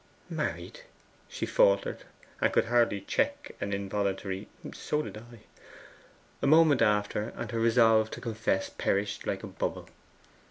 'Married!' she faltered, and could hardly check an involuntary 'So did I.' A moment after and her resolve to confess perished like a bubble.